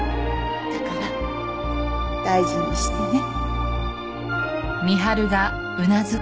だから大事にしてね。